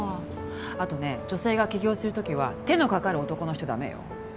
あとね女性が起業する時は手のかかる男の人ダメよ